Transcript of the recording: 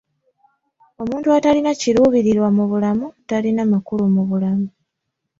Omuntu atalina kiruubirirwa mu bulamu talina makulu mu bulamu.